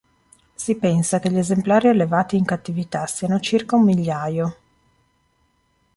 Si pensa che gli esemplari allevati in cattività siano circa un migliaio.